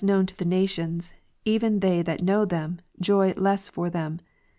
known to the nations, even they that know them, joy less for them.